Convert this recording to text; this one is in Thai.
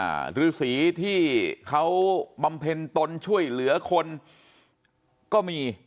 หรือสีที่เขาบำเพ็ญตนช่วยเหลือคนก็มี